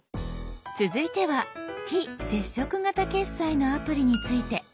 続いては非接触型決済のアプリについて。